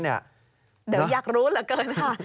เดี๋ยวอยากรู้เหลือเกินค่ะ